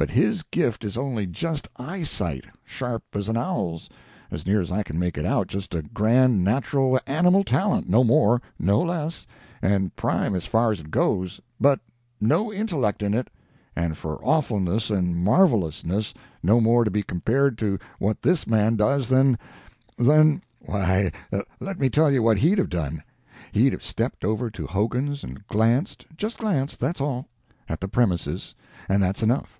But his gift is only just eyesight, sharp as an owl's, as near as I can make it out just a grand natural animal talent, no more, no less, and prime as far as it goes, but no intellect in it, and for awfulness and marvelousness no more to be compared to what this man does than than Why, let me tell you what he'd have done. He'd have stepped over to Hogan's and glanced just glanced, that's all at the premises, and that's enough.